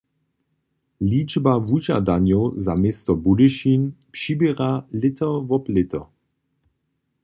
Ličba wužadanjow za město Budyšin přiběra lěto wob lěto.